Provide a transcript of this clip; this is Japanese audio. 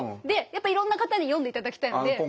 でやっぱいろんな方に読んで頂きたいので。